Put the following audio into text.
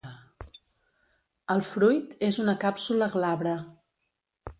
El fruit és una càpsula glabra.